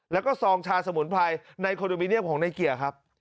แล้วก็ซองชาสมุนไพรในคอนโดมิเนียมของในเกียร์ครับ